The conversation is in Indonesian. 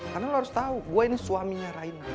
karena lo harus tahu gue ini suaminya reina